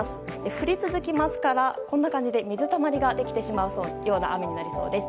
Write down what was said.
降り続きますからこんな感じで水たまりもできてしまいそうな雨になりそうです。